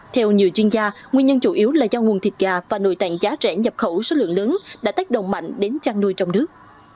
theo nhiều chuyên gia nguyên nhân chủ yếu là do nguồn thịt gà và nội tạng giá rẻ nhập khẩu số lượng lớn đã tác động mạnh đến chăn nuôi trong nước